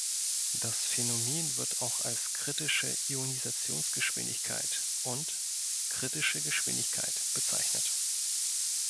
Das Phänomen wird auch als "Kritische Ionisationsgeschwindigkeit" und "Kritische Geschwindigkeit" bezeichnet.